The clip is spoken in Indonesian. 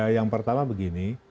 yang pertama begini